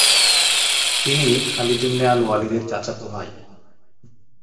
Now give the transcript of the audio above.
তিনি Khalid ibn আল-ওয়ালিদের চাচাতো ভাই।